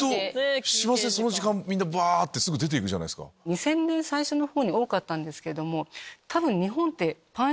２０００年最初の方に多かったんですけれども。